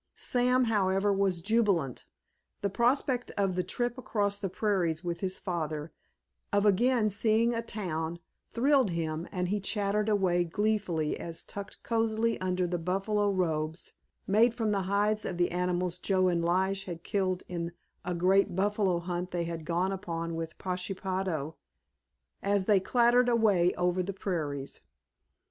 Sam, however, was jubilant. The prospect of the trip across the prairies with his father, of again seeing a town, thrilled him, and he chattered away gleefully as tucked cozily under the buffalo robes (made from the hides of the animals Joe and Lige had killed in a great buffalo hunt they had gone upon with Pashepaho), as they clattered away over the prairies.